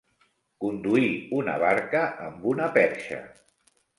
Conduir una barca amb una perxa.